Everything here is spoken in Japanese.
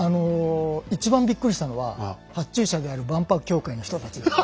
一番びっくりしたのは発注者である万博協会の人たちです。